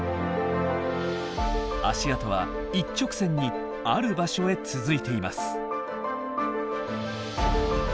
足跡は一直線にある場所へ続いています。